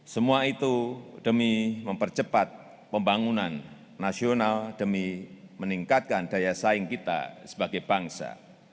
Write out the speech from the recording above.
semua itu demi mempercepat pembangunan nasional demi meningkatkan daya saing kita sebagai bangsa